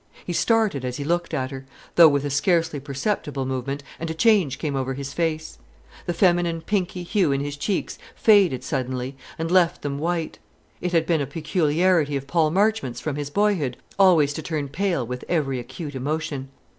He started as he looked at her, though with a scarcely perceptible movement, and a change came over his face. The feminine pinky hue in his cheeks faded suddenly, and left them white. It had been a peculiarity of Paul Marchmont's, from his boyhood, always to turn pale with every acute emotion.